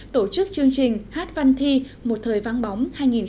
tổ chức chương trình hát văn thi một thời vang bóng hai nghìn một mươi tám